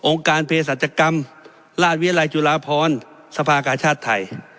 องค์การเพศจัตริย์กรรมราชวิทยาลัยจุลาพรสภาคชาติไทย